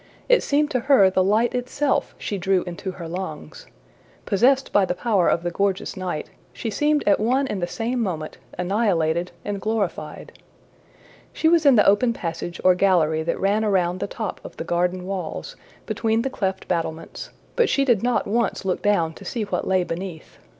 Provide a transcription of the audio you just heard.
It seemed to her the light itself she drew into her lungs. Possessed by the power of the gorgeous night, she seemed at one and the same moment annihilated and glorified. She was in the open passage or gallery that ran around the top of the garden walls, between the cleft battlements, but she did not once look down to see what lay beneath.